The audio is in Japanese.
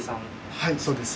はいそうです。